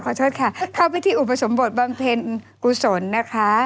ขอโทษค่ะเข้าพิธีอุปสมบทบำเพ็ญกุศลนะคะ